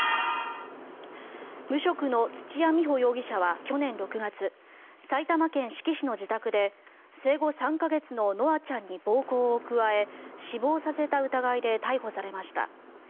無職の土屋美保容疑者は去年６月埼玉県志木市の自宅で生後３か月の夢空ちゃんに暴行を加え死亡させた疑いで逮捕されました。